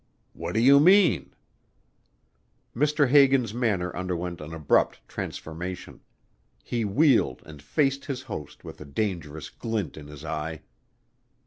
"What do you mean?" Mr. Hagan's manner underwent an abrupt transformation. He wheeled and faced his host with a dangerous glint in his eye.